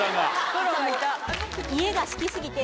プロがいた。